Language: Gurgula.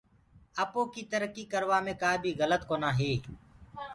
آپو ڪيٚ ترڪيٚ ڪروآ مي ڪآبي گلت ڪونآ هي۔